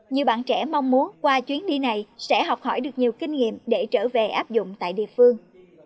nhiều bạn trẻ mong muốn qua chuyến đi này sẽ học hỏi được nhiều kinh nghiệm để trở về áp dụng tại địa phương